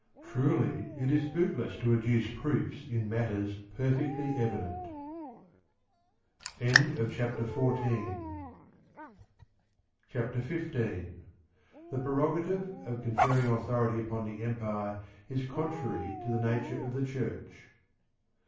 Truly, it is bootless to adduce proofs in matters perfectly evident. CHAPTER XV The prirsgative of conferring autherity upon the Empir contrary to the nature of the Church.